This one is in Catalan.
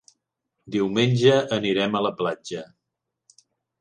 Diumenge anirem a la platja.